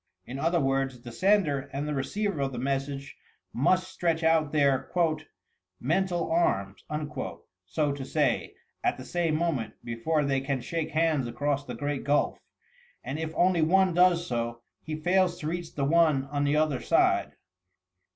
In other words, the sender and receiver of the message must stretch out their "mental arms/* so to say^ at the same moment, before they can shake hands across the Great Oulf ; and if only one does so, he fails to reach the one on the other side.